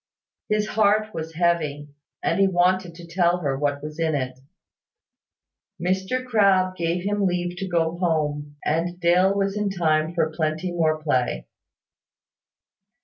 His heart was heavy, and he wanted to tell her what was in it. Mr Crabbe gave him leave to go home; and Dale was in time for plenty more play.